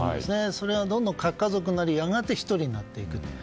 それがどんどん核家族になりやがて独りになっていくと。